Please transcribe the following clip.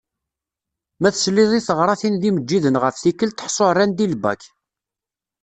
Ma tesliḍ i taɣratin d yimeǧǧiden ɣef tikelt ḥṣu rran-d i lbak.